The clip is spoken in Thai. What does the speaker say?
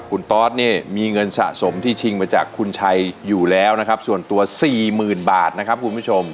คุณตอสเนี่ยมีเงินสะสมที่ชิงมาจากคุณชัยอยู่แล้วนะครับส่วนตัวสี่หมื่นบาทนะครับคุณผู้ชม